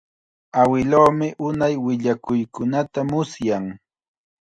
Awiluumi unay willakuykunata musyan.